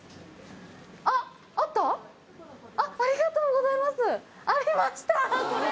ありがとうございます！